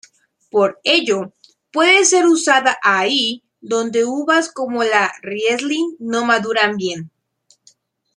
Por ello, puede ser usada ahí donde uvas como la riesling no maduran bien.